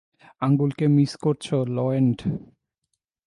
আঙ্গুলকে miss করছ, লয়েন্ড।